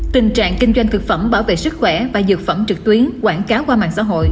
tình trạng kinh doanh thực phẩm bảo vệ sức khỏe và dược phẩm trực tuyến quảng cáo qua mạng xã hội